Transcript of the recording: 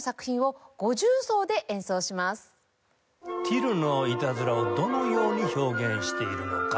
今回はティルのいたずらをどのように表現しているのか。